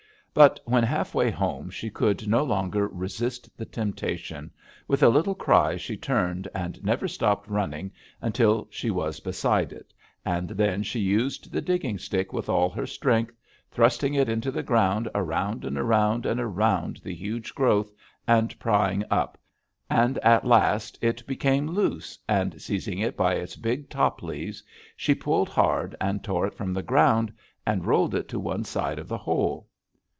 But when halfway home she could no longer resist the temptation: with a little cry she turned and never stopped running until she was beside it, and then she used the digging stick with all her strength, thrusting it into the ground around and around and around the huge growth and prying up, and at last it became loose, and seizing it by its big top leaves, she pulled hard and tore it from the ground, and rolled it to one side of the hole.